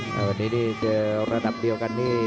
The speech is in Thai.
แต่วันนี้นี่เจอระดับเดียวกันนี่